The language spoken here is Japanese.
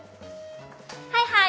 はいはい！